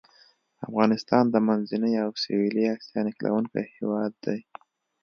افغانستان د منځنۍ او سویلي اسیا نښلوونکی هېواد دی.